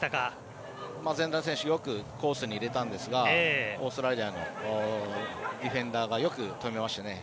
前段の選手よくコースに出たんですがオーストラリアのディフェンダーよく止めました。